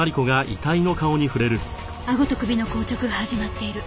あごと首の硬直が始まっている。